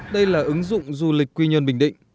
đây là ứng dụng du lịch quy nhơn bình định